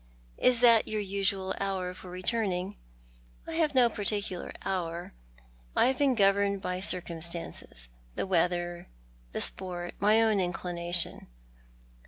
" Is that your usual hour for returning ?" "I have no particular hour. I have been governed by circumstances— the weather, the sport, my own inclination."